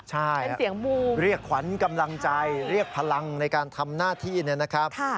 ใช่เป็นเสียงมูเรียกขวัญกำลังใจเรียกพลังในการทำหน้าที่เนี่ยนะครับ